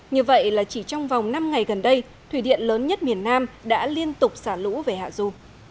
như vậy là chỉ trong vòng năm ngày gần đây thủy điện lớn nhất miền nam đã liên tục xả lũ về hạ du